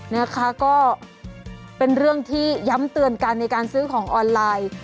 นะคะก็เป็นเรื่องที่ย้ำเตือนกันในการซื้อของออนไลน์